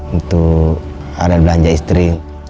untuk ada belanja istri